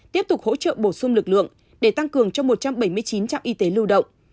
tiếp tục hỗ trợ bổ sung lực lượng để tăng cường cho một trăm bảy mươi chín trạm y tế lưu động